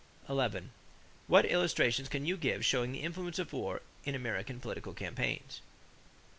11. What illustrations can you give showing the influence of war in American political campaigns?